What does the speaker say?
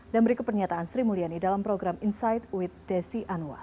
dan beri kepernyataan sri mulyani dalam program insight with desi anwar